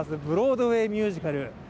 ブロードウェイミュージカル。